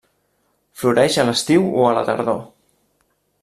Floreix a l'estiu o la tardor.